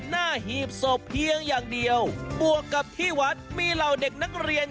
หีบศพเพียงอย่างเดียวบวกกับที่วัดมีเหล่าเด็กนักเรียน